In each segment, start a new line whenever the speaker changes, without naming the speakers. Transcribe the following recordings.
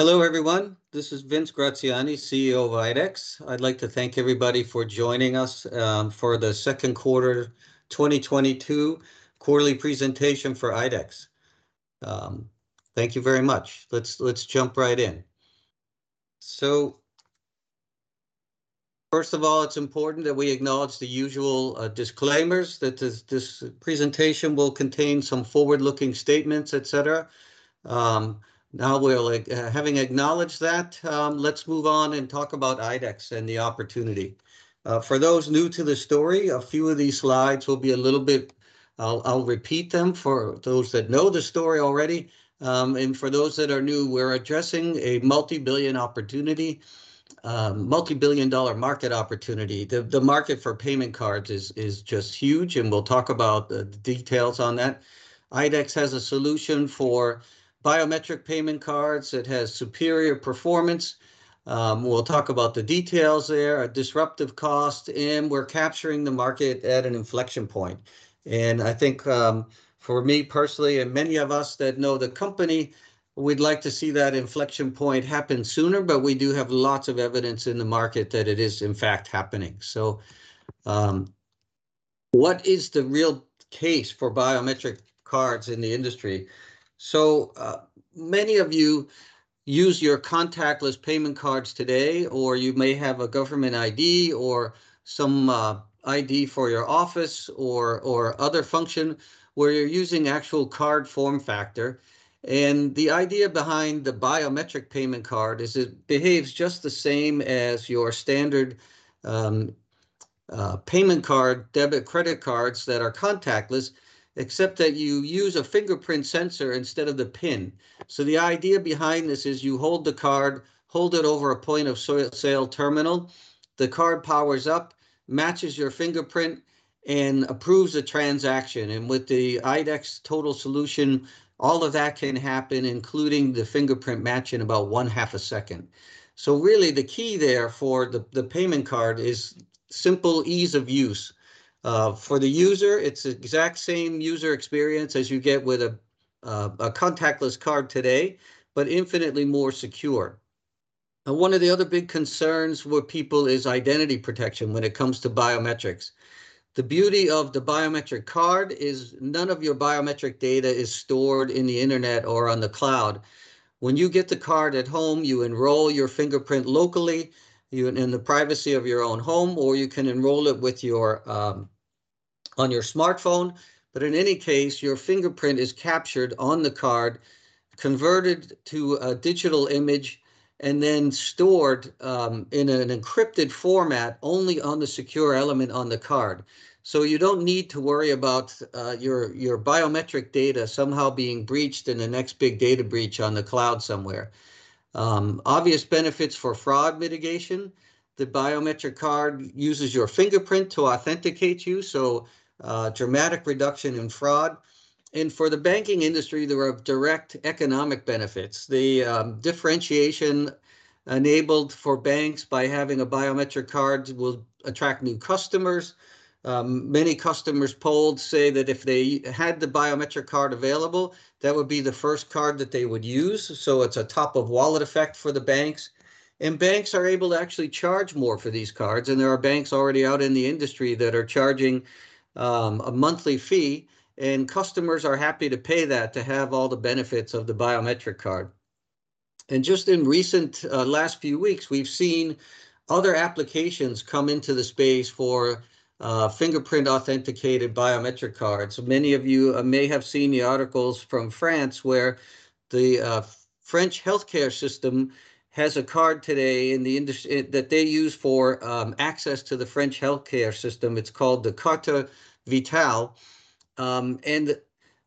Hello everyone, this is Vince Graziani, Chief Executive Officer of IDEX. I'd like to thank everybody for joining us for the second quarter 2022 quarterly presentation for IDEX. Thank you very much. Let's jump right in. First of all, it's important that we acknowledge the usual disclaimers that this presentation will contain some forward-looking statements, et cetera. Now, having acknowledged that, let's move on and talk about IDEX and the opportunity. For those new to the story, a few of these slides will be a little bit. I'll repeat them for those that know the story already. For those that are new, we're addressing a multi-billion opportunity, multi-billion dollar market opportunity. The market for payment cards is just huge, and we'll talk about the details on that. IDEX has a solution for biometric payment cards. It has superior performance, we'll talk about the details there, a disruptive cost, and we're capturing the market at an inflection point. I think, for me personally, and many of us that know the company, we'd like to see that inflection point happen sooner, but we do have lots of evidence in the market that it is in fact happening. What is the real case for biometric cards in the industry? Many of you use your contactless payment cards today, or you may have a government ID or some ID for your office or other function, where you're using actual card form factor. The idea behind the biometric payment card is it behaves just the same as your standard payment card, debit, credit cards that are contactless, except that you use a fingerprint sensor instead of the PIN. The idea behind this is you hold the card, hold it over a point of sale terminal, the card powers up, matches your fingerprint, and approves the transaction. With the IDEX total solution, all of that can happen, including the fingerprint match, in about half a second. Really the key there for the payment card is simple ease of use. For the user, it's exact same user experience as you get with a contactless card today, but infinitely more secure. Now, one of the other big concerns with people is identity protection when it comes to biometrics. The beauty of the biometric card is none of your biometric data is stored in the internet or on the cloud. When you get the card at home, you enroll your fingerprint locally in the privacy of your own home, or you can enroll it on your smartphone. In any case, your fingerprint is captured on the card, converted to a digital image, and then stored in an encrypted format only on the Secure Element on the card. You don't need to worry about your biometric data somehow being breached in the next big data breach on the cloud somewhere. Obvious benefits for fraud mitigation. The biometric card uses your fingerprint to authenticate you, so dramatic reduction in fraud. For the banking industry, there are direct economic benefits. The differentiation enabled for banks by having a biometric card will attract new customers. Many customers polled say that if they had the biometric card available, that would be the first card that they would use, so it's a top of wallet effect for the banks. Banks are able to actually charge more for these cards, and there are banks already out in the industry that are charging a monthly fee, and customers are happy to pay that to have all the benefits of the biometric card. Just in recent last few weeks, we've seen other applications come into the space for fingerprint authenticated biometric cards. Many of you may have seen the articles from France where the French healthcare system has a card today that they use for access to the French healthcare system. It's called the Carte Vitale.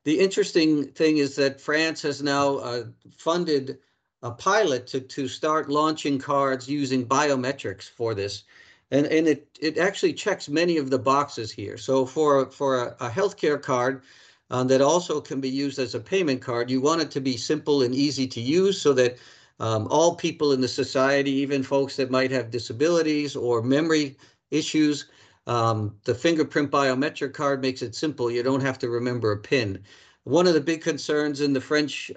The interesting thing is that France has now funded a pilot to start launching cards using biometrics for this, and it actually checks many of the boxes here. For a healthcare card that also can be used as a payment card, you want it to be simple and easy to use so that all people in the society, even folks that might have disabilities or memory issues, the fingerprint biometric card makes it simple. You don't have to remember a PIN. One of the big concerns in the French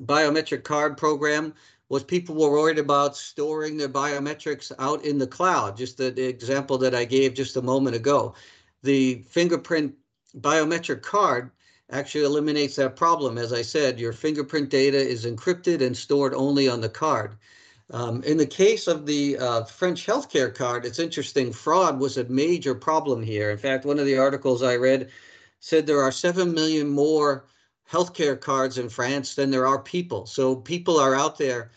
biometric card program was people were worried about storing their biometrics out in the cloud, just the example that I gave just a moment ago. The fingerprint biometric card actually eliminates that problem. As I said, your fingerprint data is encrypted and stored only on the card. In the case of the French healthcare card, it's interesting. Fraud was a major problem here. In fact, one of the articles I read said there are 7 million more healthcare cards in France than there are people. People are out there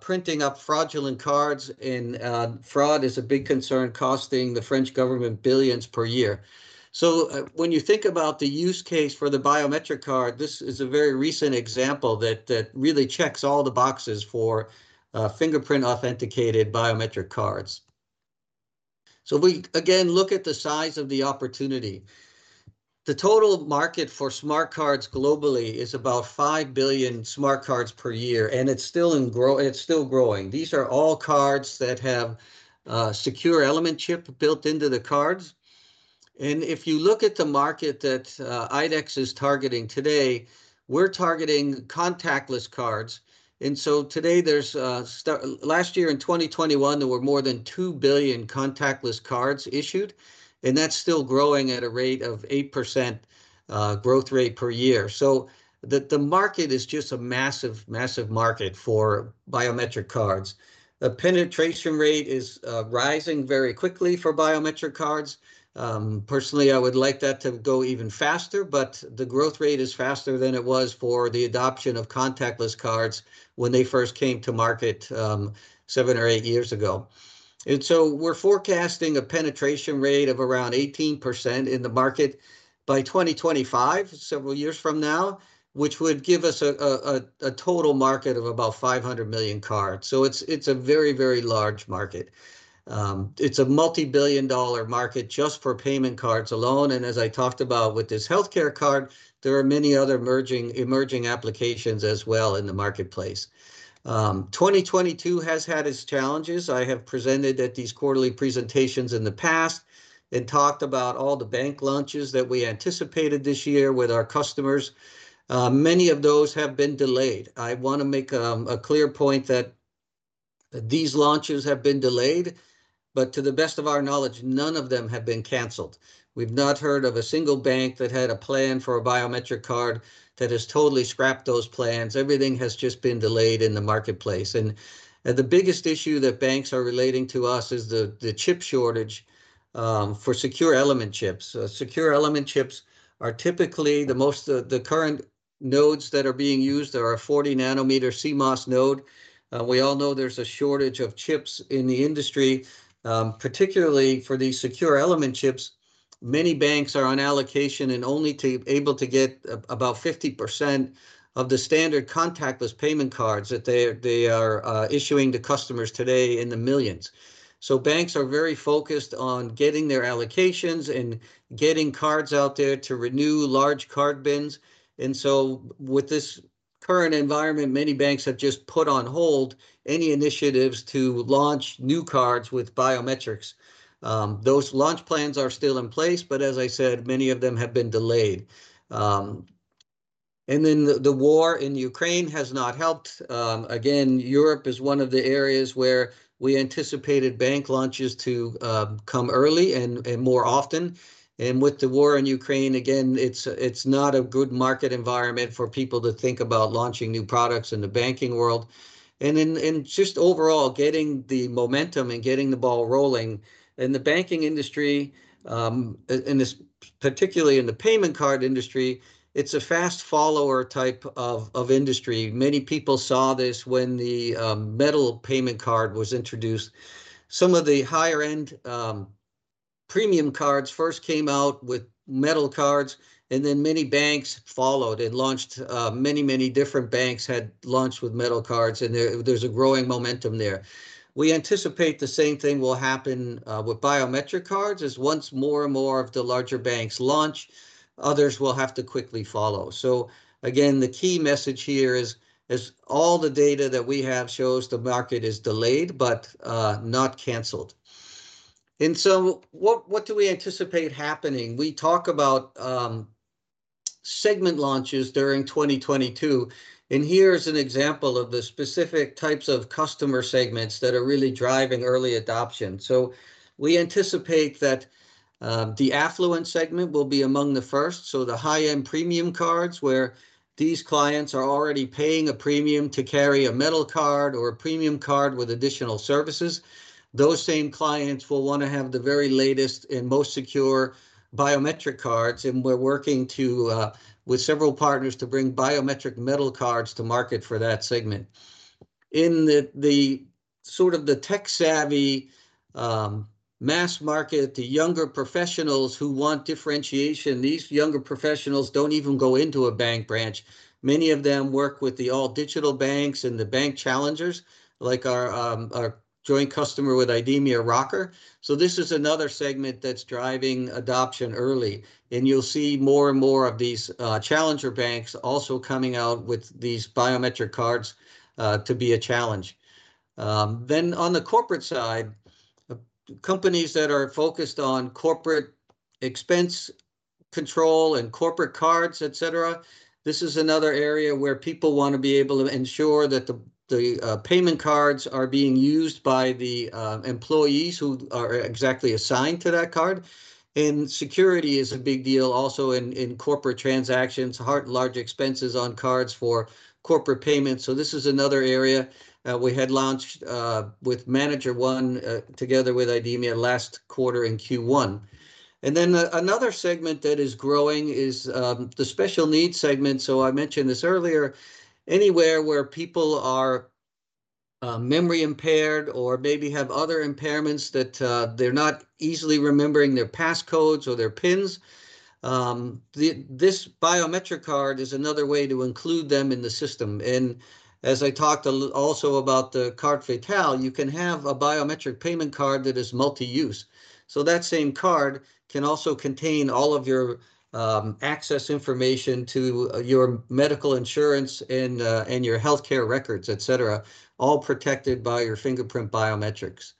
printing up fraudulent cards and fraud is a big concern, costing the French government billions per year. When you think about the use case for the biometric card, this is a very recent example that really checks all the boxes for fingerprint authenticated biometric cards. We, again, look at the size of the opportunity. The total market for smart cards globally is about 5 billion smart cards per year, and it's still growing. These are all cards that have a Secure Element chip built into the cards. If you look at the market that IDEX is targeting today, we're targeting contactless cards. Today there's last year in 2021 there were more than 2 billion contactless cards issued, and that's still growing at a rate of 8% growth rate per year. The market is just a massive market for biometric cards. The penetration rate is rising very quickly for biometric cards. Personally, I would like that to go even faster, but the growth rate is faster than it was for the adoption of contactless cards when they first came to market seven or eight years ago. We're forecasting a penetration rate of around 18% in the market by 2025, several years from now, which would give us a total market of about 500 million cards. It's a very large market. It's a multi-billion dollar market just for payment cards alone. As I talked about with this healthcare card, there are many other emerging applications as well in the marketplace. 2022 has had its challenges. I have presented at these quarterly presentations in the past and talked about all the bank launches that we anticipated this year with our customers. Many of those have been delayed. I want to make a clear point that these launches have been delayed, but to the best of our knowledge, none of them have been canceled. We've not heard of a single bank that had a plan for a biometric card that has totally scrapped those plans. Everything has just been delayed in the marketplace. The biggest issue that banks are relating to us is the chip shortage for Secure Element chips. Secure Element chips are typically the most the current nodes that are being used are a 40 nanometer CMOS node. We all know there's a shortage of chips in the industry, particularly for these Secure Element chips. Many banks are on allocation and only able to get about 50% of the standard contactless payment cards that they are issuing to customers today in the millions. Banks are very focused on getting their allocations and getting cards out there to renew large card bins. With this current environment, many banks have just put on hold any initiatives to launch new cards with biometrics. Those launch plans are still in place, but as I said, many of them have been delayed. The war in Ukraine has not helped. Again, Europe is one of the areas where we anticipated bank launches to come early and more often. With the war in Ukraine, again, it's not a good market environment for people to think about launching new products in the banking world. Just overall getting the momentum and getting the ball rolling in the banking industry, in this, particularly in the payment card industry, it's a fast follower type of industry. Many people saw this when the metal payment card was introduced. Some of the higher-end premium cards first came out with metal cards, and then many banks followed and launched. Many different banks had launched with metal cards, and there's a growing momentum there. We anticipate the same thing will happen with biometric cards, as once more and more of the larger banks launch, others will have to quickly follow. Again, the key message here is all the data that we have shows the market is delayed, but not canceled. What do we anticipate happening? We talk about segment launches during 2022, and here is an example of the specific types of customer segments that are really driving early adoption. We anticipate that the affluent segment will be among the first. The high-end premium cards where these clients are already paying a premium to carry a metal card or a premium card with additional services, those same clients will want to have the very latest and most secure biometric cards. We're working with several partners to bring biometric metal cards to market for that segment. In the sort of tech-savvy mass market, the younger professionals who want differentiation, these younger professionals don't even go into a bank branch. Many of them work with the all-digital banks and the bank challengers like our joint customer with IDEMIA, Rocker. This is another segment that's driving adoption early, and you'll see more and more of these challenger banks also coming out with these biometric cards to be a challenge. On the corporate side, companies that are focused on corporate expense control and corporate cards, et cetera, this is another area where people want to be able to ensure that the payment cards are being used by the employees who are exactly assigned to that card. Security is a big deal also in corporate transactions, large expenses on cards for corporate payments. This is another area we had launched with manager.one together with IDEMIA last quarter in Q1. Another segment that is growing is the special needs segment. I mentioned this earlier. Anywhere where people are memory impaired or maybe have other impairments that they're not easily remembering their passcodes or their PINs, this biometric card is another way to include them in the system. As I talked also about the Carte Vitale, you can have a biometric payment card that is multi-use. That same card can also contain all of your access information to your medical insurance and your healthcare records, et cetera, all protected by your fingerprint biometrics.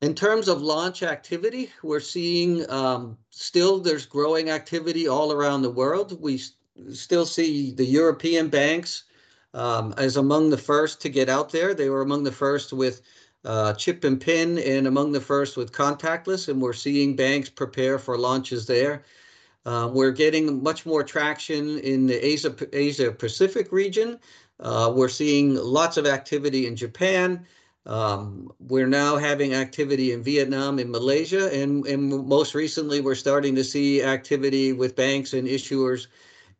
In terms of launch activity, we're seeing still there's growing activity all around the world. We still see the European banks as among the first to get out there. They were among the first with chip and PIN and among the first with contactless, and we're seeing banks prepare for launches there. We're getting much more traction in the Asia-Pacific region. We're seeing lots of activity in Japan. We're now having activity in Vietnam and Malaysia, and most recently, we're starting to see activity with banks and issuers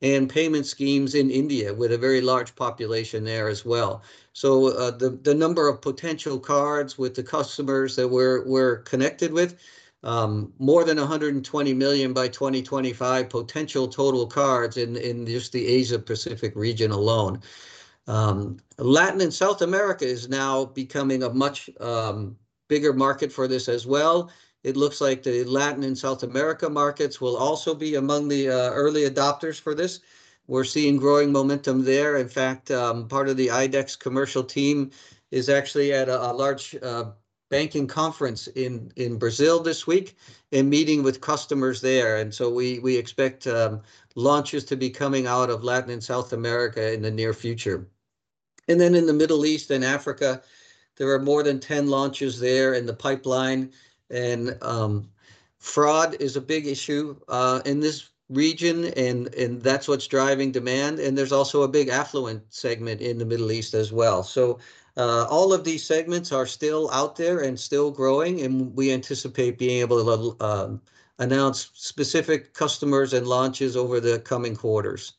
and payment schemes in India, with a very large population there as well. The number of potential cards with the customers that we're connected with, more than 120 million by 2025 potential total cards in just the Asia-Pacific region alone. Latin and South America is now becoming a much bigger market for this as well. It looks like the Latin and South America markets will also be among the early adopters for this. We're seeing growing momentum there. In fact, part of the IDEX commercial team is actually at a large banking conference in Brazil this week and meeting with customers there. We expect launches to be coming out of Latin and South America in the near future. Then in the Middle East and Africa, there are more than 10 launches there in the pipeline. Fraud is a big issue in this region and that's what's driving demand, and there's also a big affluent segment in the Middle East as well. All of these segments are still out there and still growing, and we anticipate being able to announce specific customers and launches over the coming quarters.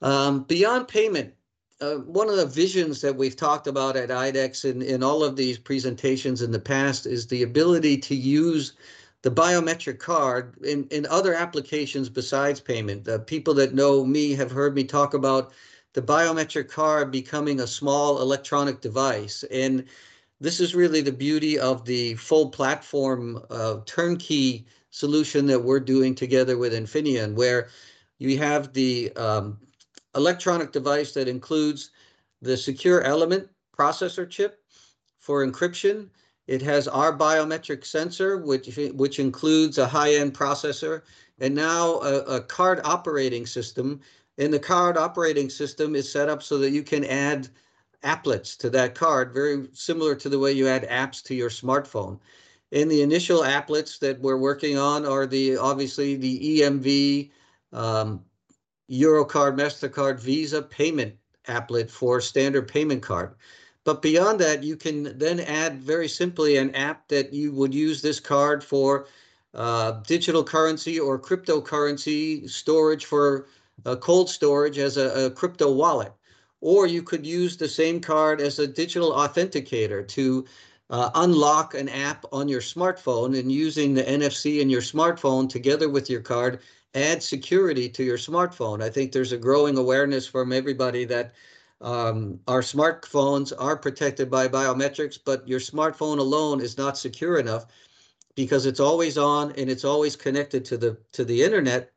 Beyond payment, one of the visions that we've talked about at IDEX Biometrics in all of these presentations in the past is the ability to use the biometric card in other applications besides payment. The people that know me have heard me talk about the biometric card becoming a small electronic device, and this is really the beauty of the full platform, turnkey solution that we're doing together with Infineon, where you have the electronic device that includes the secure element processor chip for encryption. It has our biometric sensor, which includes a high-end processor, and now a card operating system. The card operating system is set up so that you can add applets to that card, very similar to the way you add apps to your smartphone. The initial applets that we're working on are the, obviously the EMV, Eurocard, Mastercard, Visa payment applet for standard payment card. Beyond that, you can then add very simply an app that you would use this card for, digital currency or cryptocurrency storage for a cold storage as a crypto wallet. Or you could use the same card as a digital authenticator to unlock an app on your smartphone, and using the NFC in your smartphone together with your card, add security to your smartphone. I think there's a growing awareness from everybody that our smartphones are protected by biometrics, but your smartphone alone is not secure enough because it's always on, and it's always connected to the internet.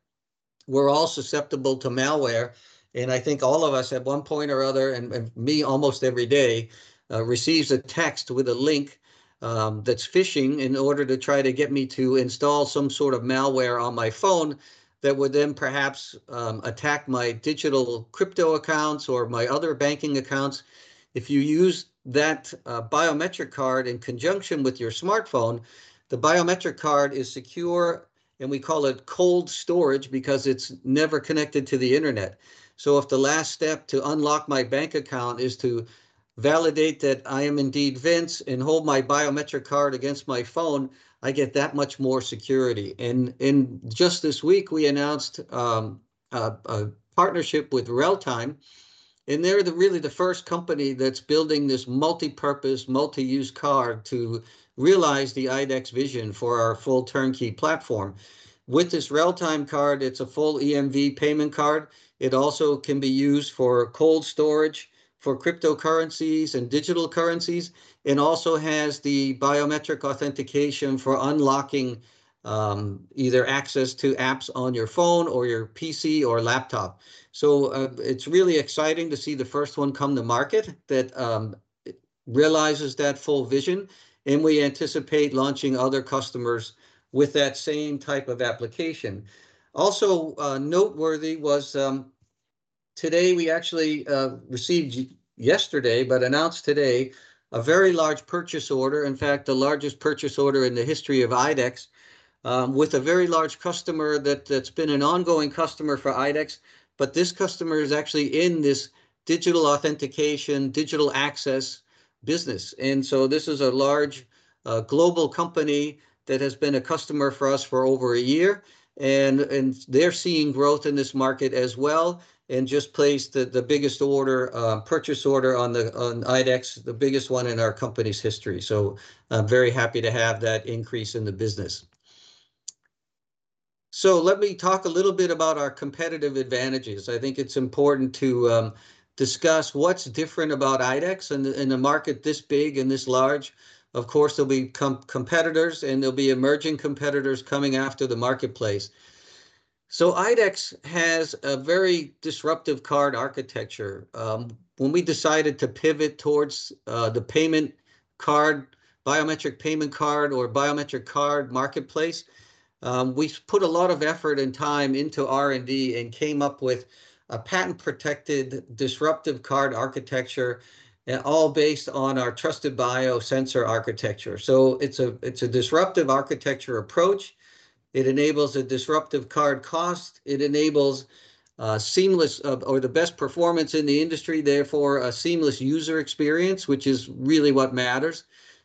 We're all susceptible to malware, and I think all of us at one point or other, and me almost every day, receives a text with a link, that's phishing in order to try to get me to install some sort of malware on my phone that would then perhaps, attack my digital crypto accounts or my other banking accounts. If you use that biometric card in conjunction with your smartphone, the biometric card is secure, and we call it cold storage because it's never connected to the internet. If the last step to unlock my bank account is to validate that I am indeed Vince and hold my biometric card against my phone, I get that much more security. Just this week, we announced a partnership with Reltime, and they're really the first company that's building this multipurpose, multi-use card to realize the IDEX vision for our full turnkey platform. With this Reltime card, it's a full EMV payment card. It also can be used for cold storage for cryptocurrencies and digital currencies and also has the biometric authentication for unlocking either access to apps on your phone or your PC or laptop. It's really exciting to see the first one come to market that realizes that full vision, and we anticipate launching other customers with that same type of application. Noteworthy was today we actually received yesterday, but announced today a very large purchase order, in fact, the largest purchase order in the history of IDEX, with a very large customer that's been an ongoing customer for IDEX, but this customer is actually in this digital authentication, digital access business. This is a large global company that has been a customer for us for over a year, and they're seeing growth in this market as well and just placed the biggest order, purchase order on IDEX, the biggest one in our company's history. I'm very happy to have that increase in the business. Let me talk a little bit about our competitive advantages. I think it's important to discuss what's different about IDEX in a market this big and this large. Of course, there'll be competitors, and there'll be emerging competitors coming after the marketplace. IDEX has a very disruptive card architecture. When we decided to pivot towards the payment card, biometric payment card or biometric card marketplace, we put a lot of effort and time into R&D and came up with a patent-protected disruptive card architecture and all based on our trusted biosensor architecture. It's a disruptive architecture approach. It enables a disruptive card cost. It enables seamless or the best performance in the industry, therefore a seamless user experience, which is really what matters.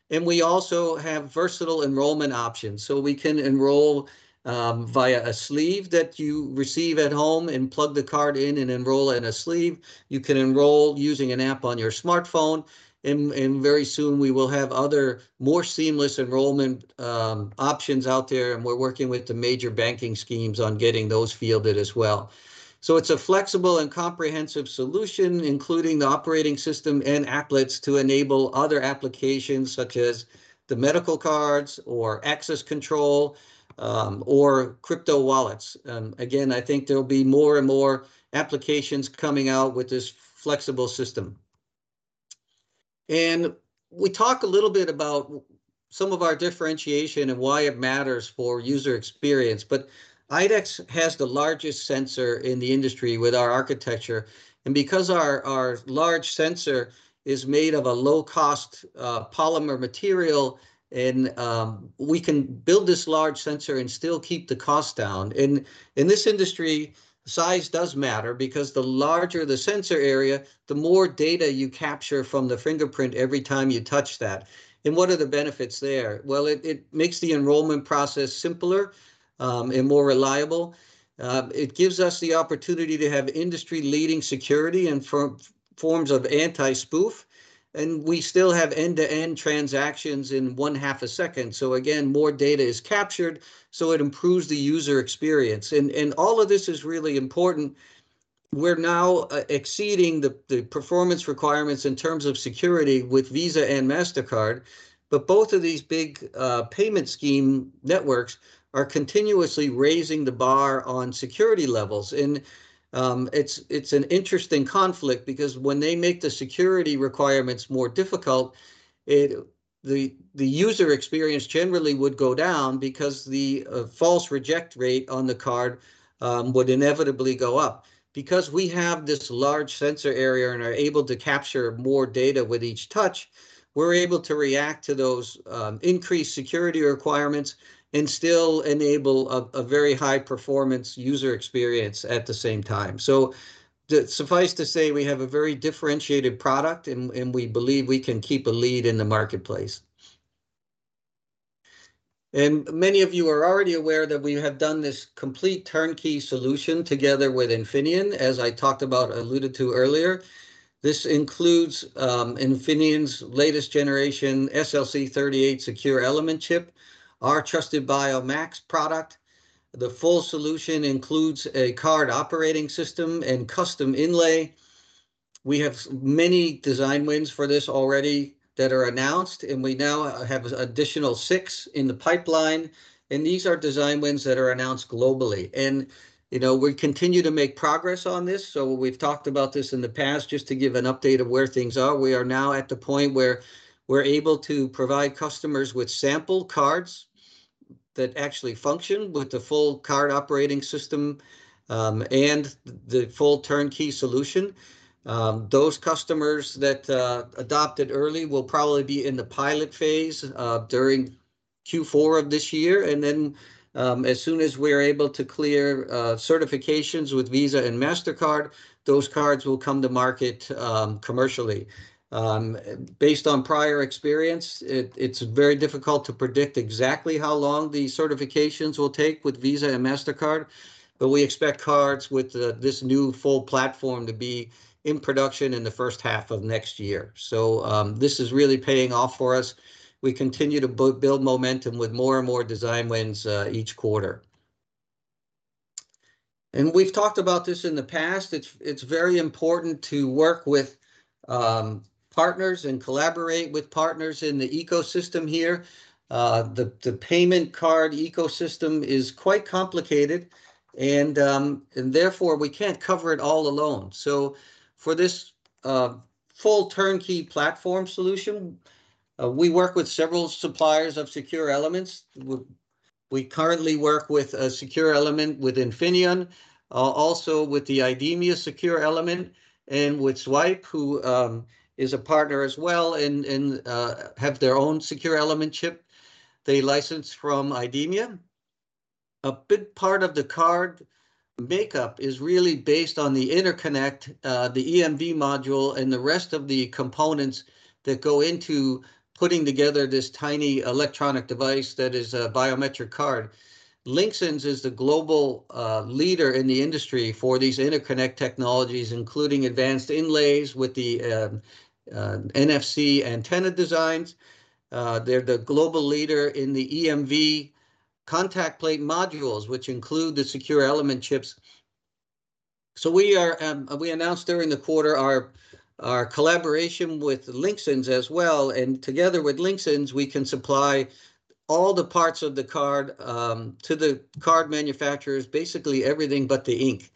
We also have versatile enrollment options. We can enroll via a sleeve that you receive at home and plug the card in and enroll in a sleeve. You can enroll using an app on your smartphone and very soon we will have other more seamless enrollment options out there, and we're working with the major banking schemes on getting those fielded as well. It's a flexible and comprehensive solution, including the operating system and applets to enable other applications such as the medical cards or access control or crypto wallets. Again, I think there'll be more and more applications coming out with this flexible system. We talk a little bit about some of our differentiation and why it matters for user experience. IDEX has the largest sensor in the industry with our architecture. Because our large sensor is made of a low-cost polymer material, we can build this large sensor and still keep the cost down. In this industry, size does matter because the larger the sensor area, the more data you capture from the fingerprint every time you touch that. What are the benefits there? Well, it makes the enrollment process simpler and more reliable. It gives us the opportunity to have industry-leading security and forms of anti-spoofing, and we still have end-to-end transactions in one half a second. Again, more data is captured, so it improves the user experience. All of this is really important. We're now exceeding the performance requirements in terms of security with Visa and Mastercard, but both of these big payment scheme networks are continuously raising the bar on security levels. It's an interesting conflict because when they make the security requirements more difficult, the user experience generally would go down because the false reject rate on the card would inevitably go up. Because we have this large sensor area and are able to capture more data with each touch, we're able to react to those increased security requirements and still enable a very high performance user experience at the same time. Suffice to say, we have a very differentiated product and we believe we can keep a lead in the marketplace. Many of you are already aware that we have done this complete turnkey solution together with Infineon, as I talked about, alluded to earlier. This includes Infineon's latest generation SLC38 secure element chip, our TrustedBio Max product. The full solution includes a card operating system and custom inlay. We have many design wins for this already that are announced, and we now have additional 6 in the pipeline, and these are design wins that are announced globally. You know, we continue to make progress on this, so we've talked about this in the past just to give an update of where things are. We are now at the point where we're able to provide customers with sample cards that actually function with the full card operating system and the full turnkey solution. Those customers that adopted early will probably be in the pilot phase during Q4 of this year. As soon as we're able to clear certifications with Visa and Mastercard, those cards will come to market commercially. Based on prior experience, it's very difficult to predict exactly how long the certifications will take with Visa and Mastercard, but we expect cards with this new full platform to be in production in the first half of next year. This is really paying off for us. We continue to build momentum with more and more design wins each quarter. We've talked about this in the past. It's very important to work with partners and collaborate with partners in the ecosystem here. The payment card ecosystem is quite complicated and therefore we can't cover it all alone. For this full turnkey platform solution, we work with several suppliers of secure elements. We currently work with a secure element with Infineon, also with the IDEMIA secure element and with Zwipe who is a partner as well and have their own secure element chip they license from IDEMIA. A big part of the card makeup is really based on the interconnect, the EMV module, and the rest of the components that go into putting together this tiny electronic device that is a biometric card. Linxens is the global leader in the industry for these interconnect technologies, including advanced inlays with the NFC antenna designs. They're the global leader in the EMV contact plate modules, which include the secure element chips. We announced during the quarter our collaboration with Linxens as well, and together with Linxens, we can supply all the parts of the card to the card manufacturers, basically everything but the ink.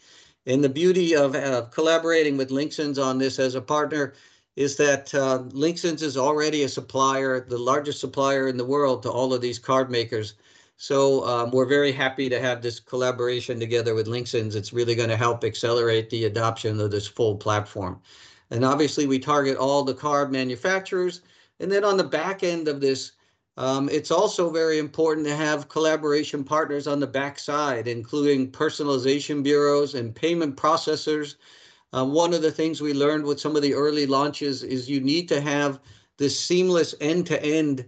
The beauty of collaborating with Linxens on this as a partner is that Linxens is already a supplier, the largest supplier in the world, to all of these card makers. We're very happy to have this collaboration together with Linxens. It's really gonna help accelerate the adoption of this full platform. Obviously, we target all the card manufacturers. On the back end of this, it's also very important to have collaboration partners on the back end, including personalization bureaus and payment processors. One of the things we learned with some of the early launches is you need to have this seamless end-to-end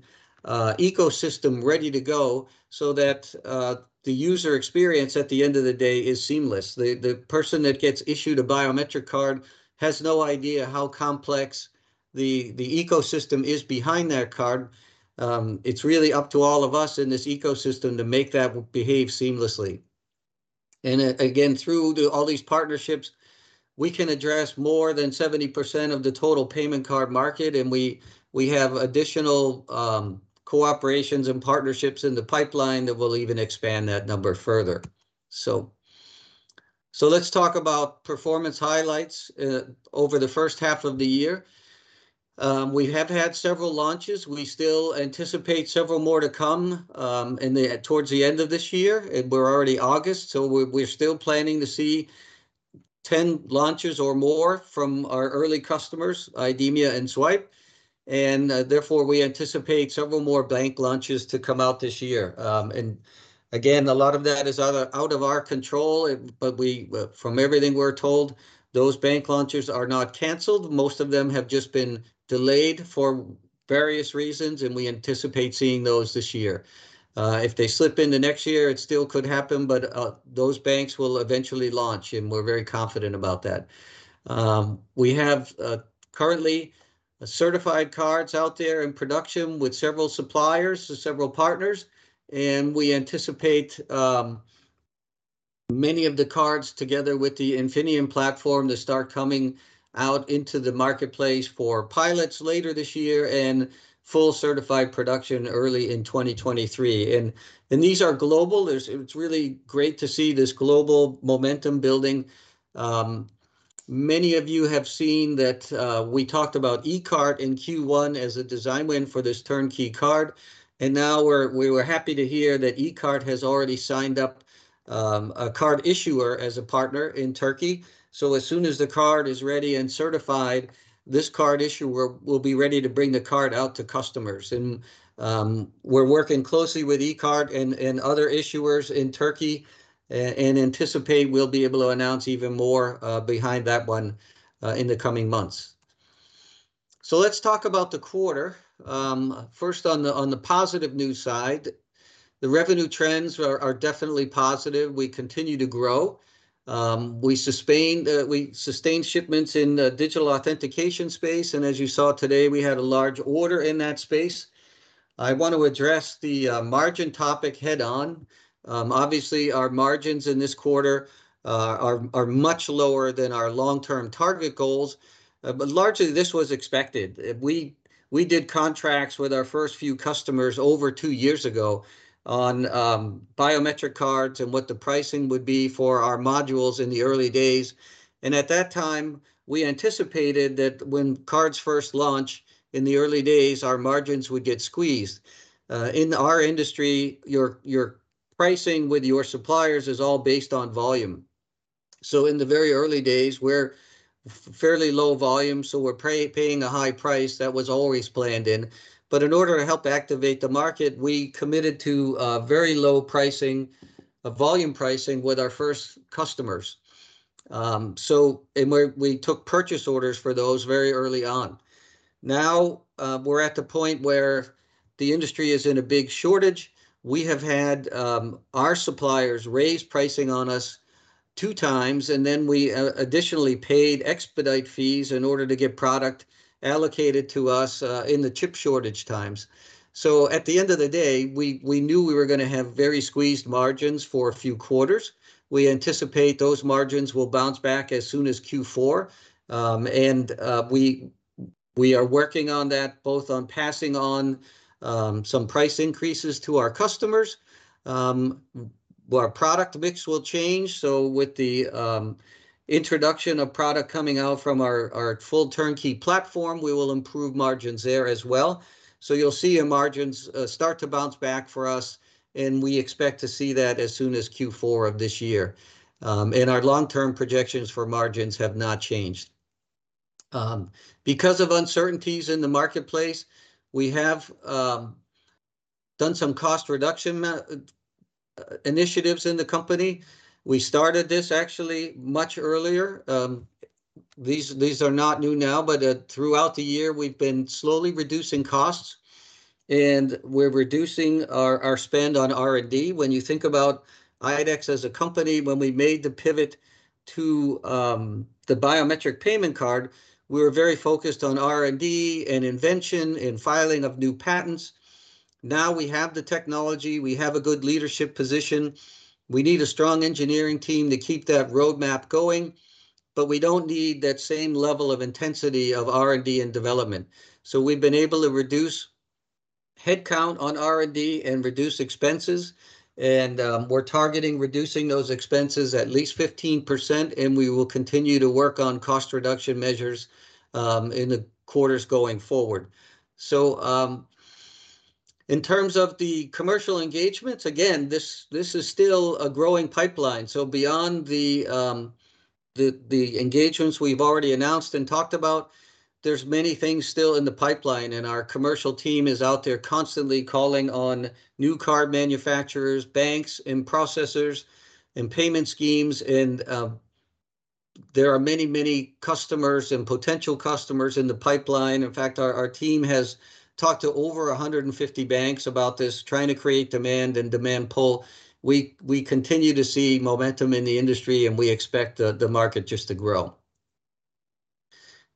ecosystem ready to go so that the user experience at the end of the day is seamless. The person that gets issued a biometric card has no idea how complex the ecosystem is behind that card. It's really up to all of us in this ecosystem to make that behave seamlessly. Again, through all these partnerships, we can address more than 70% of the total payment card market, and we have additional cooperations and partnerships in the pipeline that will even expand that number further. Let's talk about performance highlights over the first half of the year. We have had several launches. We still anticipate several more to come towards the end of this year. It's already August, so we're still planning to see 10 launches or more from our early customers, IDEMIA and Zwipe. Therefore, we anticipate several more bank launches to come out this year. Again, a lot of that is out of our control, but from everything we're told, those bank launches are not canceled. Most of them have just been delayed for various reasons, and we anticipate seeing those this year. If they slip into next year, it still could happen, but those banks will eventually launch, and we're very confident about that. We have currently certified cards out there in production with several suppliers, so several partners, and we anticipate many of the cards together with the Infineon platform to start coming out into the marketplace for pilots later this year and full certified production early in 2023. These are global. It's really great to see this global momentum building. Many of you have seen that we talked about E-Kart in Q1 as a design win for this turnkey card, and now we were happy to hear that E-Kart has already signed up a card issuer as a partner in Turkey. As soon as the card is ready and certified, this card issuer will be ready to bring the card out to customers. We're working closely with E-Kart and other issuers in Turkey and anticipate we'll be able to announce even more behind that one in the coming months. Let's talk about the quarter. First on the positive news side, the revenue trends are definitely positive. We continue to grow. We sustain shipments in digital authentication space, and as you saw today, we had a large order in that space. I want to address the margin topic head on. Obviously, our margins in this quarter are much lower than our long-term target goals, but largely this was expected. We did contracts with our first few customers over two years ago on biometric cards and what the pricing would be for our modules in the early days. At that time, we anticipated that when cards first launch in the early days, our margins would get squeezed. In our industry, your pricing with your suppliers is all based on volume. In the very early days, we're fairly low volume, so we're paying a high price that was always planned in. In order to help activate the market, we committed to very low pricing, volume pricing with our first customers. We took purchase orders for those very early on. Now, we're at the point where the industry is in a big shortage. We have had our suppliers raise pricing on us two times, and then we additionally paid expedite fees in order to get product allocated to us, in the chip shortage times. At the end of the day, we knew we were gonna have very squeezed margins for a few quarters. We anticipate those margins will bounce back as soon as Q4. We are working on that, both on passing on some price increases to our customers. Our product mix will change, so with the introduction of product coming out from our full turnkey platform, we will improve margins there as well. You'll see our margins start to bounce back for us, and we expect to see that as soon as Q4 of this year. Our long-term projections for margins have not changed. Because of uncertainties in the marketplace, we have done some cost reduction initiatives in the company. We started this actually much earlier. These are not new now, but throughout the year, we've been slowly reducing costs, and we're reducing our spend on R&D. When you think about IDEX as a company, when we made the pivot to the biometric payment card, we were very focused on R&D and invention and filing of new patents. Now we have the technology, we have a good leadership position, we need a strong engineering team to keep that roadmap going, but we don't need that same level of intensity of R&D and development. We've been able to reduce headcount on R&D and reduce expenses, and we're targeting reducing those expenses at least 15% and we will continue to work on cost reduction measures in the quarters going forward. In terms of the commercial engagements, again, this is still a growing pipeline. Beyond the engagements we've already announced and talked about, there's many things still in the pipeline and our commercial team is out there constantly calling on new card manufacturers, banks, and processors and payment schemes, and there are many customers and potential customers in the pipeline. In fact, our team has talked to over 150 banks about this, trying to create demand and demand pull. We continue to see momentum in the industry, and we expect the market just to grow.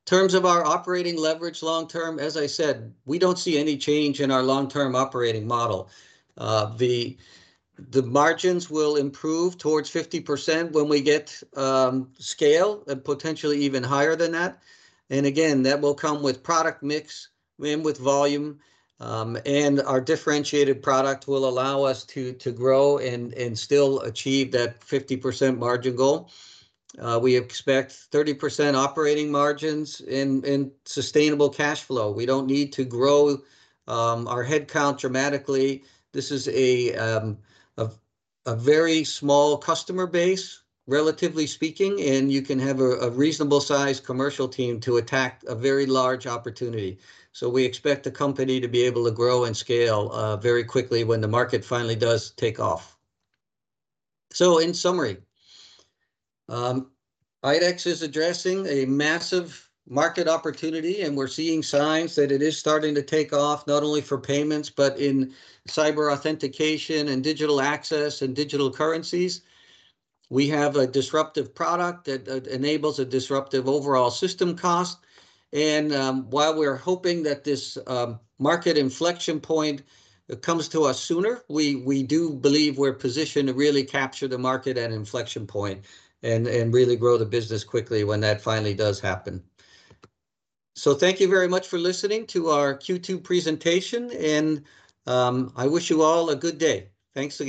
In terms of our operating leverage long-term, as I said, we don't see any change in our long-term operating model. The margins will improve towards 50% when we get scale, and potentially even higher than that. Again, that will come with product mix and with volume, and our differentiated product will allow us to grow and still achieve that 50% margin goal. We expect 30% operating margins in sustainable cash flow. We don't need to grow our headcount dramatically. This is a very small customer base, relatively speaking, and you can have a reasonable size commercial team to attack a very large opportunity. We expect the company to be able to grow and scale very quickly when the market finally does take off. In summary, IDEX is addressing a massive market opportunity, and we're seeing signs that it is starting to take off, not only for payments, but in cyber authentication and digital access and digital currencies. We have a disruptive product that enables a disruptive overall system cost, and while we are hoping that this market inflection point comes to us sooner, we do believe we're positioned to really capture the market at inflection point and really grow the business quickly when that finally does happen. Thank you very much for listening to our Q2 presentation, and I wish you all a good day. Thanks again.